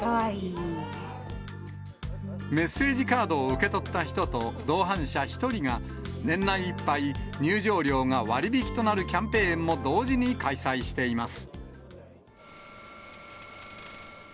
メッセージカードを受け取った人と同伴者１人が、年内いっぱい、入場料が割引となるキャンペーンも同時に開催しています。